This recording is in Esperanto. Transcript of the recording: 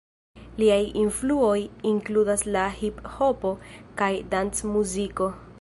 Liaj influoj inkludas la hiphopo kaj dancmuziko.